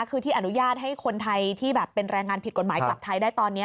คือที่อนุญาตให้คนไทยที่แบบเป็นแรงงานผิดกฎหมายกลับไทยได้ตอนนี้